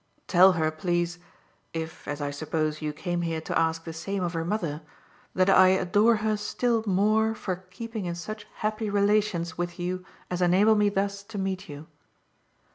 "Tell her, please if, as I suppose, you came here to ask the same of her mother that I adore her still more for keeping in such happy relations with you as enable me thus to meet you."